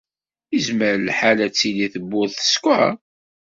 Yezmer lḥal ad tili tewwurt teskeṛ.